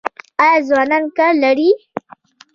آیا ځوانان کار لري؟